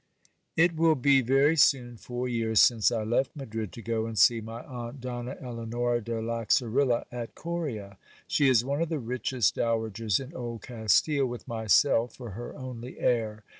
It will be very soon four years since I left Madrid to go and see my aunt Donna Eleonora de Laxarilla at Coria : she is one of the richest dowagers in Old Cas tile, with myself for her only heir.